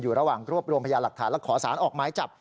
ระหว่างรวบรวมพยาหลักฐานและขอสารออกหมายจับ